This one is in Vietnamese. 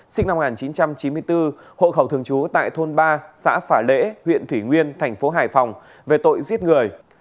sinh năm một nghìn chín trăm chín mươi bốn hộ khẩu thường trú tại thôn ba xã phả lễ huyện thủy nguyên thành phố hải phòng về tội giết người